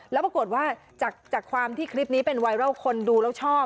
แล้วปรากฏว่าจากความที่คลิปนี้เป็นไวรัลคนดูแล้วชอบ